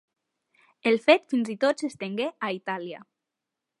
El fet fins i tot s'estengué a Itàlia.